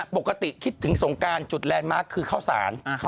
ปกติคิดถึงสงการจุดแลนดมาร์คคือข้าวสาร